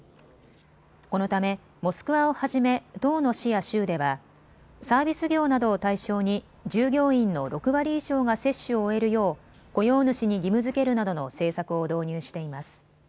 このためモスクワをはじめ１０の市や州では、サービス業などを対象に従業員の６割以上が接種を終えるよう雇用主に義務づけるなどの政策を導入しています。